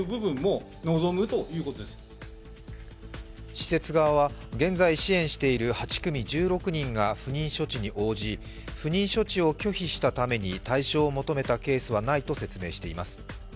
施設側は現在支援している８組１６人が不妊処置に応じ、不妊処置を拒否したために対処を求めたケースはないとしています。